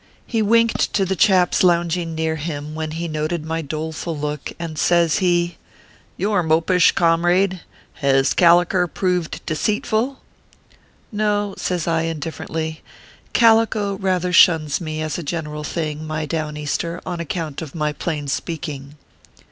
He winked to the chaps lounging near him, when he noted my doleful look, and says he :" You re mopish, comrade. Hez caliker proved deceitful ?" "No," says I, indifferently. "Calico rather shuns me, as a general thing, my Down easter, on account of my plain speaking."